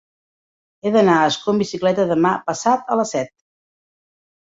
He d'anar a Ascó amb bicicleta demà passat a les set.